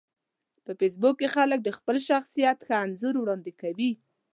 په فېسبوک کې خلک د خپل شخصیت ښه انځور وړاندې کوي